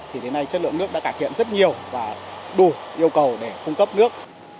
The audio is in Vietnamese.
thì đến nay chất lượng nước đã cải thiện rất nhiều và đủ yêu cầu để cung cấp nước